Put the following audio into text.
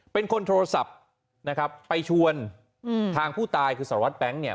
เป็นคนโทรศัพท์นะครับไปชวนทางผู้ตายคือสารวัตรแบงค์เนี่ย